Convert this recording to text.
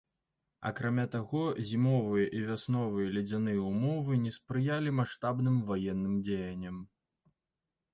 Акрамя таго, зімовыя і вясновыя ледзяныя ўмовы не спрыялі маштабным ваенным дзеянням.